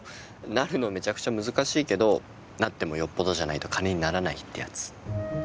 なるのメチャクチャ難しいけどなってもよっぽどじゃないと金にならないってやつ